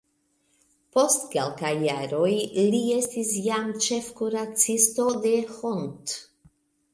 Post kelkaj jaroj li estis jam ĉefkuracisto de Hont.